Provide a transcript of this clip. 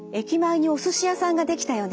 「駅前にお寿司屋さんができたよね。